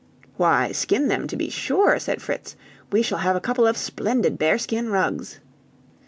"Why, skin them, to be sure," said Fritz. "We shall have a couple of splendid bearskin rugs."